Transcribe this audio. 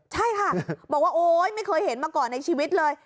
ใช่ค่ะบอกว่าโอ๊ยไม่เคยเห็นมาก่อนในชีวิตเลย